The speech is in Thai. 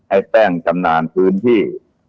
ไอ้แป้งชำนาญพื้นที่